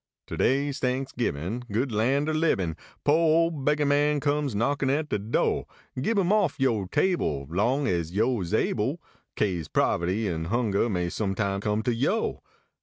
Ter day s Thanksgibbin , Good Ian er libbin . Po ole beggah man comes knockin at de do ; Gib im offyo table Long as yo is able, Kase poverty an hunger may sometime come to yo